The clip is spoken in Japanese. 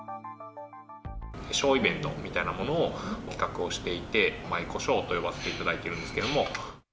ショーイベントみたいなものを企画をしていて、舞妓ショーと呼ばせていただいているんですけど。